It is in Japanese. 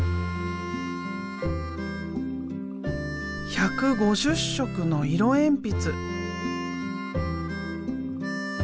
１５０色の色鉛筆。